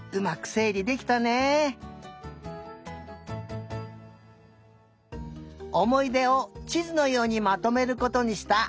おもいでをちずのようにまとめることにしたゆまり。